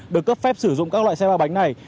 được cấp phép sử dụng các loại xe ba bánh này